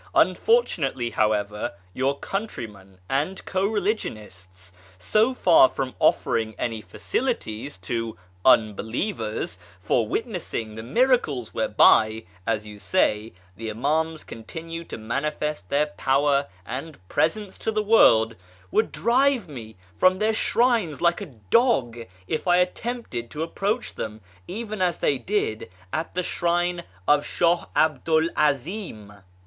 Unfortunately, however, your countrymen and co religionists, so far from offeriug any facilities to ' unbelievers ' for witness ing the miracles whereljy, as you say, the Imams continue to manifest their power and presence to the world, would drive me from their shrines like a dog if I attempted to approach them, even as they did at the shrine of Sh;ih 'Abdu 'l 'Azim.